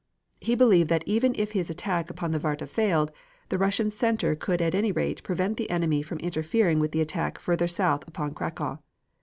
He believed that even if his attack upon the Warta failed, the Russian center could at any rate prevent the enemy from interfering with the attack further south upon Cracow.